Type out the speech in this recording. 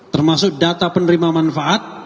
termasuk data penerima manfaat